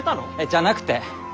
じゃなくて。